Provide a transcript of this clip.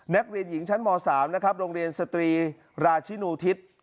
นักเรียนหญิงชั้นม๓นะครับโรงเรียนสตรีราชินูทิศ